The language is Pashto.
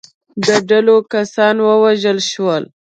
د ډلو کسان ووژل شول.